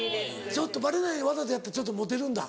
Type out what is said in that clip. ちょっとバレないようにわざとやったらちょっとモテるんだ。